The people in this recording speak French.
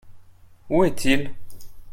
Où est-il ?